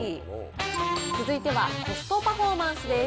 続いてはコストパフォーマンスです。